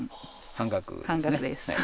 半額ですね。